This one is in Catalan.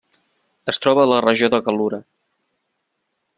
Es troba a la regió de Gal·lura.